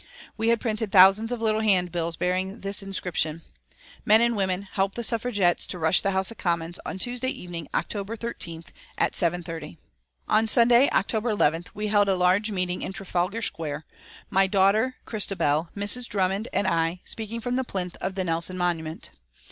We had printed thousands of little handbills bearing this inscription: "Men and Women, Help the Suffragettes to Rush the House of Commons, on Tuesday Evening, October 13th, at 7:30." On Sunday, October 11th, we held a large meeting in Trafalgar Square, my daughter Christabel, Mrs. Drummond and I speaking from the plinth of the Nelson monument.